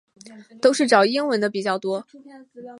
都是找英文的比较多